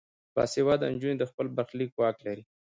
باسواده نجونې د خپل برخلیک واک لري.